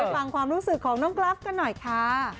ท่านคิดความรู้สึกของนรักกันขณะค่ะ